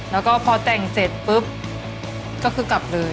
แล้วก็พอแต่งเสร็จปุ๊บก็คือกลับเลย